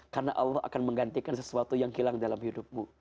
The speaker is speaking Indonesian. karena allah akan menggantikan sesuatu yang hilang dalam hidupmu